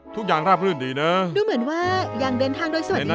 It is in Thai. ทุกอย่างราบรื่นดีนะดูเหมือนว่ายังเดินทางโดยสวัสดี